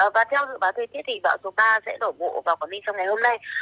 và theo dự báo thời tiết thì bão số ba sẽ đổ bộ vào quảng ninh trong ngày hôm nay